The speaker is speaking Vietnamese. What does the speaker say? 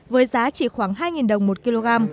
với giá chỉ khoảng hai đồng một kg